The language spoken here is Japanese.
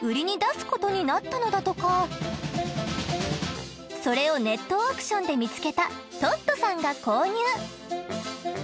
長野県のそれをネットオークションで見つけたトッドさんが購入！